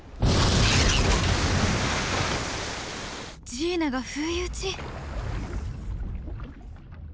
ジーナが不意打ち！